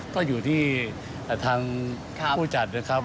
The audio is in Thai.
ก็อยู่ที่ทางผู้จัดนะครับ